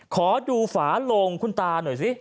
ขอดูฝาโลงคุณตาหน่อยสิ